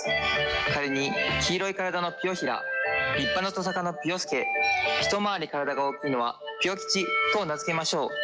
仮に黄色い体のピヨ平立派なとさかのピヨ助一回り体が大きいのはピヨ吉と名付けましょう。